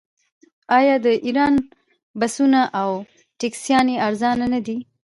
آیا د ایران بسونه او ټکسیانې ارزانه نه دي؟